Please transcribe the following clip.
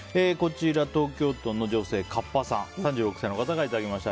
東京都の女性３６歳の方からいただきました。